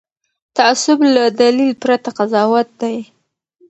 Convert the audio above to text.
تعصب له دلیل پرته قضاوت دی